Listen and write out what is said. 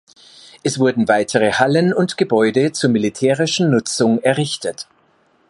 Es wurden weitere Hallen und Gebäude zur militärischen Nutzung errichtet.